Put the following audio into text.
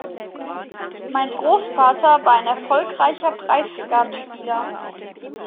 Mein Großvater war ein erfolgreicher Preisskatspieler.